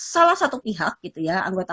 salah satu pihak gitu ya anggota